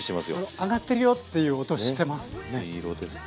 揚がってるよっていう音してますよね。